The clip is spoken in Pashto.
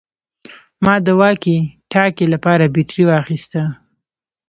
ما د واکي ټاکي لپاره بیټرۍ واخیستې